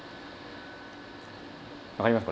分かります？